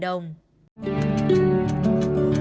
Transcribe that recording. hẹn gặp lại